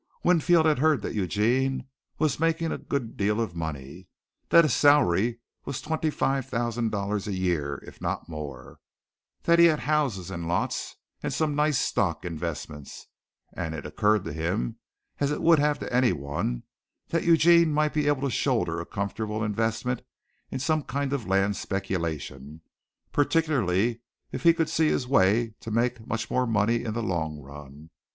Winfield had heard that Eugene was making a good deal of money, that his salary was twenty five thousand a year, if not more, that he had houses and lots and some nice stock investments, and it occurred to him, as it would have to anyone, that Eugene might be able to shoulder a comfortable investment in some kind of land speculation, particularly if he could see his way to make much more money in the long run.